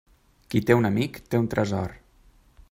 Qui té un amic té un tresor.